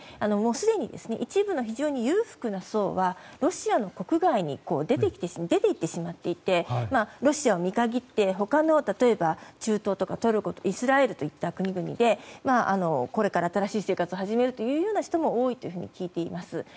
すでに、一部の非常に裕福な層はロシアの国外に出て行ってしまっていてロシアを見限って他の中東、トルコイスラエルという国でこれから新しい生活を始める人も多いというふうに聞いています。